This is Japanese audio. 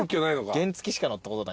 原付しか乗ったことない。